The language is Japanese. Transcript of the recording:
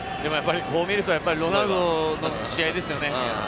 こう見るとロナウドの試合ですよね。